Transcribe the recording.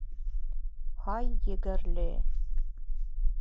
— Һай, егәрле.